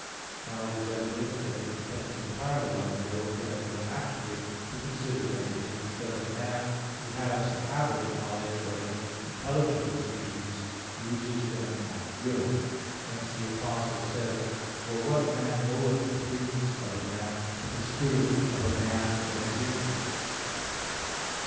Now it is evident that it depends entirely on the will for anyone actually to consider anything; because a man who has a habit of knowledge, or any intelligible species, uses them at will. Hence the Apostle says (1 Cor. 2:11): "For what man knoweth the things of a man, but the spirit of a man that is in him?"